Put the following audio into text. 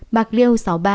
bạc liêu sáu mươi ba